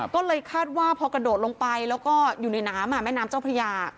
ก็เลยคาดว่าพอกระโดดลงไปแล้วก็อยู่ในน้ำแม่น้ำเจ้าพระยา